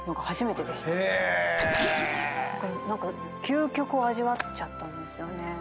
究極を味わっちゃったんですよね。